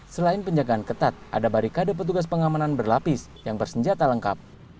selain penjagaan ketat ada barikade petugas pengamanan berlapis yang bersenjata lengkap